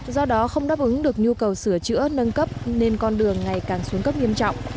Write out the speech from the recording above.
do đó không đáp ứng được nhu cầu sửa chữa nâng cấp nên con đường ngày càng xuống cấp nghiêm trọng